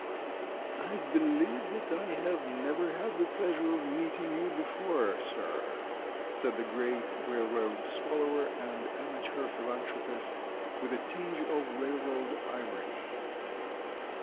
"I believe that I have never had the pleasure of meeting you before, sir," said the great railroad swallower and amateur Philanthropist with a tinge of railroad irony.